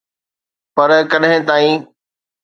پر، ڪڏهن تائين؟